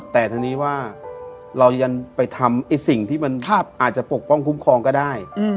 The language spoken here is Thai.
แต่ทีนี้ว่าเรายังไปทำสิ่งที่มันอาจจะปกป้องคุ้มครองก็ได้